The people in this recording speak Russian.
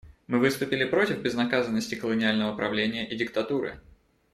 Мы выступили против безнаказанности колониального правления и диктатуры.